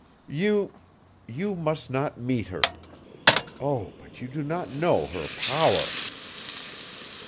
"You you must not meet her. Oh, but you do not know her power!"